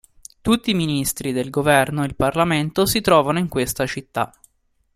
Tutti i ministeri del governo e il Parlamento si trovano in questa città.